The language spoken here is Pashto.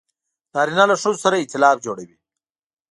نارینه له ښځو سره ایتلاف جوړوي.